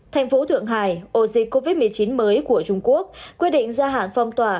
thành phố thượng hải ổ dịch covid một mươi chín mới của trung quốc quyết định gia hạn phong tỏa